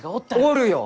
おるよ！